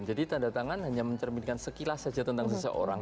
jadi tanda tangan hanya mencerminkan sekilas saja tentang seseorang